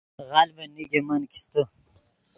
غلڤن نیگے من کیستے